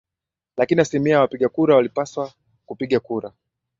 lakini asilimia ya wapiga kura waliopaswa kupiga kura